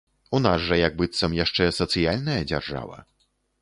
У нас жа як быццам яшчэ сацыяльная дзяржава.